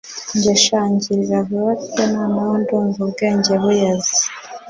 Njye sha ngirira vuba pe noneho ndumva ubwenge buyaze